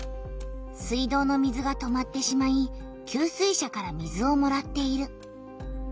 水道の水が止まってしまい給水車から水をもらっている。